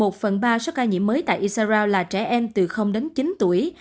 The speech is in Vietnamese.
gần ba số ca nhiễm mới tại israel là trẻ em từ đến chín tuổi